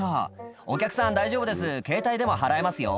「お客さん大丈夫ですケータイでも払えますよ」